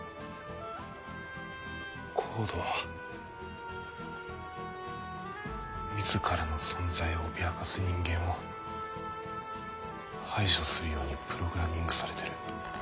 ＣＯＤＥは自らの存在を脅かす人間を排除するようにプログラミングされてる。